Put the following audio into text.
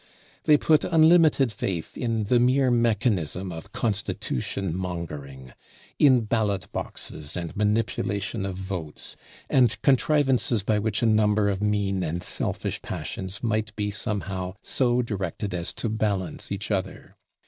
They put unlimited faith in the mere mechanism of constitution mongering; in ballot boxes and manipulation of votes and contrivances by which a number of mean and selfish passions might be somehow so directed as to balance each other.